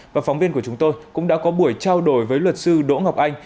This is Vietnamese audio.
và phóng viên của chúng tôi cũng đã có buổi trao đổi với luật sư đỗ ngọc anh